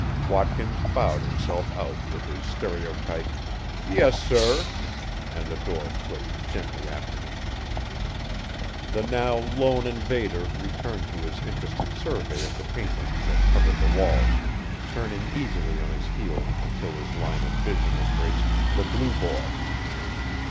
Watkins bowed himself out with his stereotyped, "Yes, sir," and the door clicked gently after him. The now lone invader returned to his interested survey of the paintings that covered the walls, turning easily on his heel until his line of vision embraced "The Blue Boy."